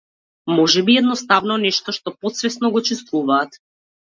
Можеби е едноставно нешто што потсвесно го чувствуваат.